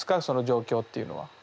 その状況っていうのは。